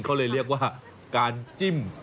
เขาเลยเรียกว่าการจิ้ม